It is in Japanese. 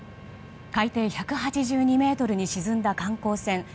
海底１８２ｍに沈んだ観光船